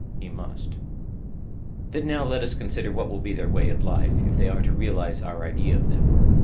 He must. Then now let us consider what will be their way of life, if they are to realize our idea of them.